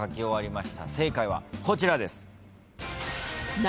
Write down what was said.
正解はこちらです。